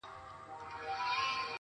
ټول مي په یوه یوه هینده پر سر را واړول,